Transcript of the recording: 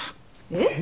えっ？